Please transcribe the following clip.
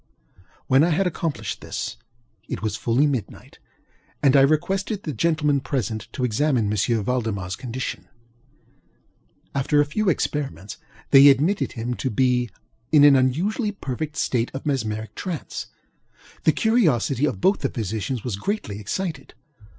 When I had accomplished this, it was fully midnight, and I requested the gentlemen present to examine M. ValdemarŌĆÖs condition. After a few experiments, they admitted him to be an unusually perfect state of mesmeric trance. The curiosity of both the physicians was greatly excited.